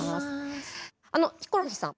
あのヒコロヒーさん。